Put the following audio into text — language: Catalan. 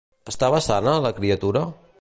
Estava sana, la criatura?